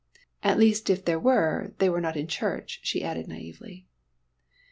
At least if there were, they were not in church, she added naïvely.